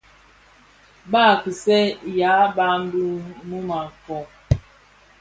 Baa (kisyea) yàa ban bì mum a kɔɔ.